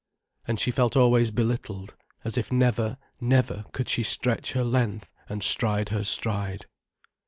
And she felt always belittled, as if never, never could she stretch her length and stride her stride.